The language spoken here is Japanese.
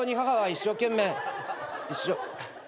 一生。